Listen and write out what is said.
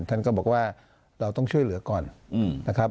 ท่านก็บอกว่าเราต้องช่วยเหลือก่อนนะครับ